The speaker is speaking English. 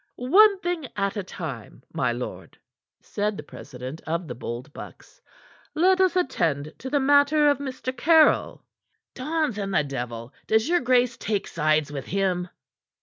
"One thing at a time, my lord," said the president of the Bold Bucks. "Let us attend to the matter of Mr. Caryll." "Dons and the devil! Does your grace take sides with him?"